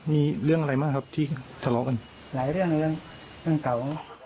มีเรื่องอะไรบ้างครับที่ทะเลาะกันหลายเรื่องเลยนะเรื่องเก่า